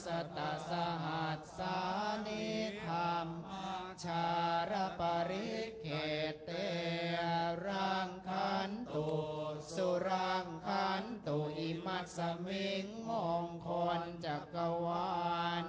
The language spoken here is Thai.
สัตว์สะหัสสานิธรรมชารพริเกตติรังคันตุสุรังคันตุอิมัตต์สมิงโมงคลจักรวาล